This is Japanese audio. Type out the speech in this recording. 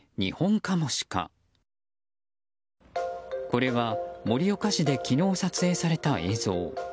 これは盛岡市で昨日、撮影された映像。